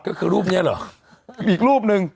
ก็คือรูปเนี้ยหรอ